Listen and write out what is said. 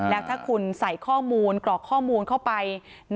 แล้วถ้าคุณใส่ข้อมูลกรอกข้อมูลเข้าไป